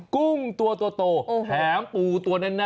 กุ้งตัวโตแถมปูตัวแน่